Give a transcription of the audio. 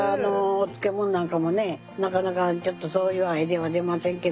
漬物なんかもねなかなかちょっとそういうアイデアは出ませんけど。